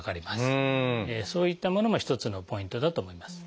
そういったものも一つのポイントだと思います。